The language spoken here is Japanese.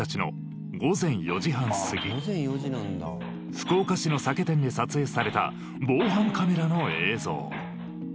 福岡市の酒店で撮影された防犯カメラの映像。